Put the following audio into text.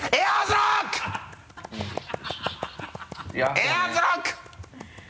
「エアーズロック」！